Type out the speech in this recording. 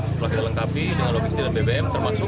setelah kita lengkapi dengan logistik dan bbm termasuk